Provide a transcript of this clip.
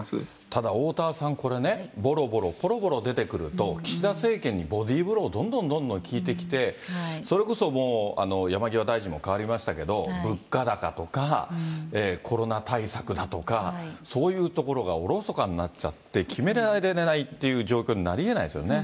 ただ、おおたわさん、これね、ぼろぼろ、ぽろぽろ出てくると、岸田政権にボディーブローどんどんどんどん効いてきて、それこそもう、山際大臣も代わりましたけど、物価高とかコロナ対策だとか、そういうところがおろそかになっちゃって、決められないっていう状況になりえないですよね。